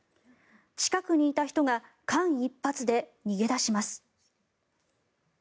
近くにいた人が間一髪で逃げ出します。